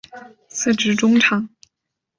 司职中场。